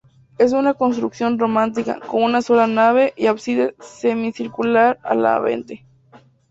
Es una construcción románica, con una sola nave y ábside semicircular a levante.